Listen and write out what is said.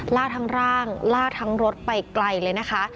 ล่าทั้งร่างล่าทั้งรถไปไกลเลยนะคะ